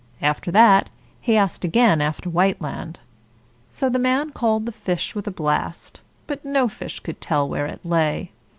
After that, he asked again after Whiteland. So the man called the fish with a blast, but no fish could tell where it lay.